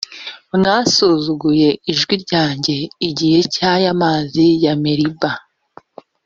mwasuzuguye ijwi ryanjye igihe cya ya mazi ya meriba.